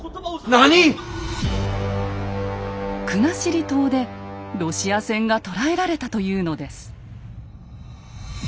なに⁉国後島でロシア船が捕らえられたというのです。